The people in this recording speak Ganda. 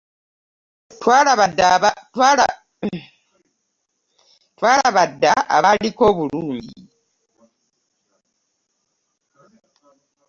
Twalaba dda abaaliko obulungi.